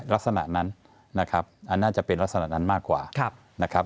ลักษณะนั้นนะครับอันน่าจะเป็นลักษณะนั้นมากกว่านะครับ